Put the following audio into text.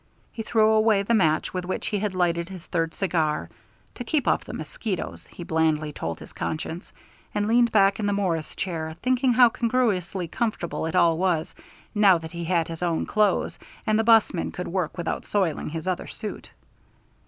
He threw away the match with which he had lighted his third cigar to keep off the mosquitoes, he blandly told his conscience and leaned back in the Morris chair, thinking how congruously comfortable it all was, now that he had his own clothes and the 'bus man could work without soiling his other suit.